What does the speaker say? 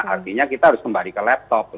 artinya kita harus kembali ke laptop